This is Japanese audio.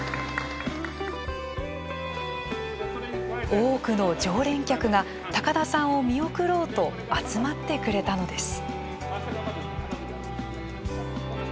多くの常連客が高田さんを見送ろうと集まってくれたのです。